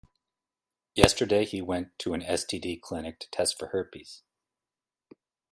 Yesterday, he went to an STD clinic to test for herpes.